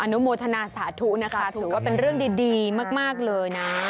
นุโมทนาสาธุนะคะถือว่าเป็นเรื่องดีมากเลยนะ